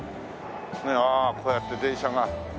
ああこうやって電車が。